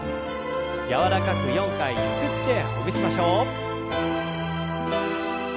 柔らかく４回ゆすってほぐしましょう。